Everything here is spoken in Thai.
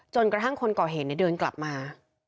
จนกระทั่งคนก่อเหตุเดินกลับมา